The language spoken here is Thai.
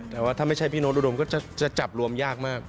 แต่ว่าถ้าไม่ใช่พี่โน๊ตอุดมก็จะจับรวมยากมาก